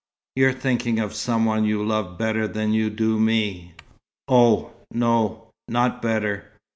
"You're thinking of some one you love better than you do me." "Oh, no, not better.